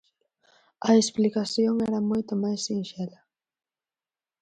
A explicación era moito máis sinxela.